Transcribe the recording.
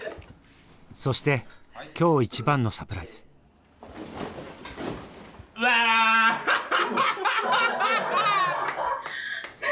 そして今日一番のサプライズ！わアハハハハ！